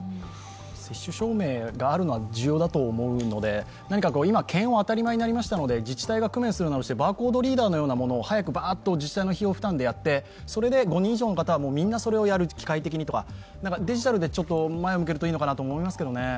接種証明があるのは重要だと思うので、検温が当たり前になりましたので、自治体が工面するなりバーコードリーダーのようなものを早く自治体の費用負担でやってそれで５人以上の方は機械的に全部やる、デジタルで前を向けるといいと思いますけどね。